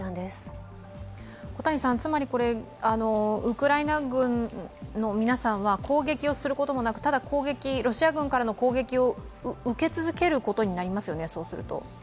ウクライナ軍の皆さんは攻撃をすることもなくただロシア軍からの攻撃を受け続けることになりますよね。